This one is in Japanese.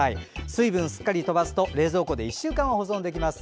水分をしっかりとばすと冷蔵庫で１週間保存できます。